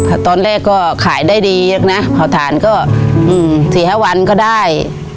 ตอนแรกก็ขายได้ดีนะเผาถ่านก็อืมสี่ห้าวันก็ได้